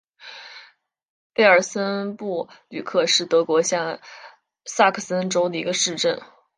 贝尔森布吕克是德国下萨克森州的一个市镇。